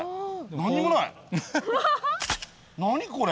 何これ？